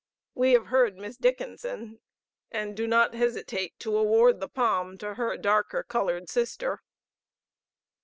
We have heard Miss Dickinson, and do not hesitate to award the palm to her darker colored sister."